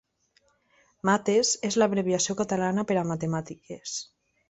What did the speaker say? Mates és l'abreviació catalana per a matemàtiques